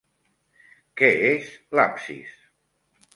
Què és l'absis?